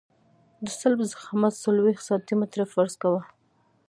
د سلب ضخامت څلوېښت سانتي متره فرض کوو